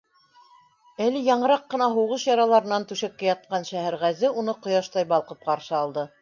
Әле яңыраҡ ҡына һуғыш яраларынан түшәккә ятҡан Шәһәрғәзе уны ҡояштай балҡып ҡаршы алды.